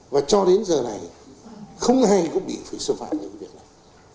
và cho đến giờ này không ai cũng bị phải xâm phạm về cái việc này